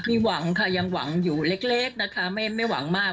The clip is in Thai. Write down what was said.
มีหวังค่ะยังหวังอยู่เล็กนะคะไม่หวังมาก